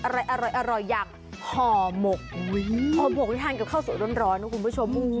อร่อยอย่างห่อหมกห่อหมกที่ทานกับข้าวสวยร้อนนะคุณผู้ชม